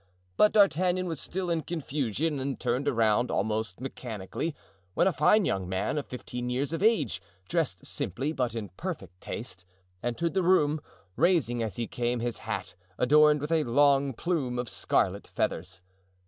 But D'Artagnan was still in confusion and turned around almost mechanically when a fine young man of fifteen years of age, dressed simply, but in perfect taste, entered the room, raising, as he came, his hat, adorned with a long plume of scarlet feathers.